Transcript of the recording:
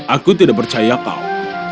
aku tidak percaya kau